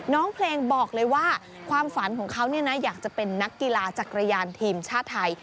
น้องเพลงบอกเลยว่าความฝันของเขาอยากจะเป็นนักกีฬาจักรยานทีมชาติไทย